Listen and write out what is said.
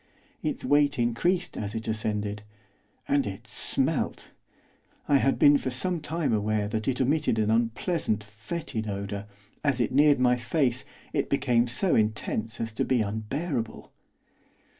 Its weight increased as it ascended, and it smelt! I had been for some time aware that it emitted an unpleasant, foetid odour; as it neared my face it became so intense as to be unbearable.